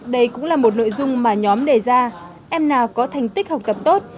đây cũng là một nội dung mà nhóm đề ra em nào có thành tích học tập tốt